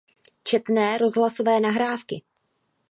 Četné rozhlasové nahrávky.